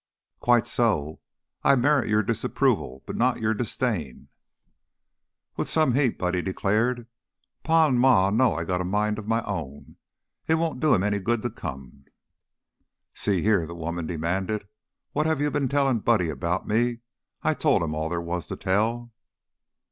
"Quite so. I merit your disapproval, but not your disdain." With some heat Buddy declared: "Pa an' Ma know that I got a mind of my own. It won't do 'em any good to come." "See here," the woman demanded. "What have you been telling Buddy about me? I told him all there was to tell."